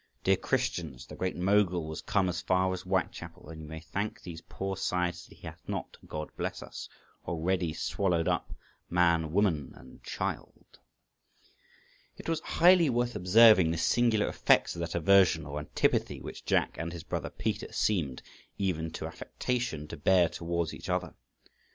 Dear Christians, the Great Moghul was come as far as Whitechapel, and you may thank these poor sides that he hath not—God bless us—already swallowed up man, woman, and child." It was highly worth observing the singular effects of that aversion or antipathy which Jack and his brother Peter seemed, even to affectation, to bear towards each other.